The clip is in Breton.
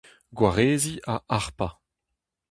Gwareziñ ha harpañ.